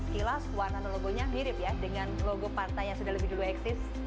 kilas warna dan logonya mirip ya dengan logo partai yang sudah lebih dulu eksis